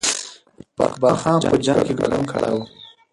اقبال خان په جنګ کې ګډون کړی وو.